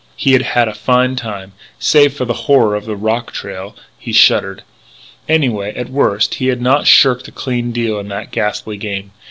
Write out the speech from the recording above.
He had had a fine time, save for the horror of the Rocktrail.... He shuddered.... Anyway, at worst he had not shirked a clean deal in that ghastly game....